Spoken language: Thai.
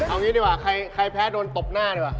เอางี้ดีกว่าใครแพ้โดนตบหน้าดีกว่า